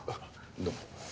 どうも。